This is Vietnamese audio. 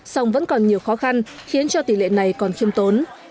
song vẫn còn nhiều khó khăn khiến cho tỷ lệ này còn khiêm tốn